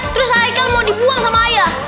terus ike mau dibuang sama ayah